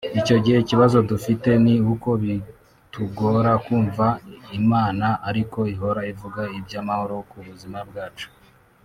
Icyo gihe ikibazo dufite ni uko bitugora kumva Imana ariko ihora ivuga iby’ amahoro ku buzima bwacu